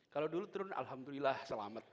kalau dulu turun alhamdulillah selamat